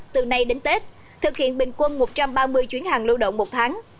từ nay đến tết thực hiện bình quân một trăm ba mươi chuyến hàng lưu động một tháng